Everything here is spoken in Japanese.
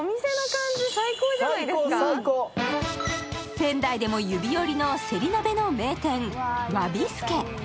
仙台でも指折りのせり鍋の名店侘び助。